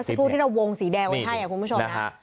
พี่พูดที่เราวงสีแดงกว่าชายคุณผู้ชมนะครับ